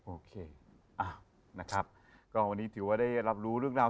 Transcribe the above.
โอเคนะครับก็วันนี้ถือว่าได้รับรู้เรื่องราว